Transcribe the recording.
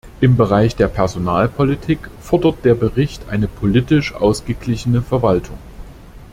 Im Bereich der Personalpolitik fordert der Bericht eine politisch ausgeglichene Verwaltung.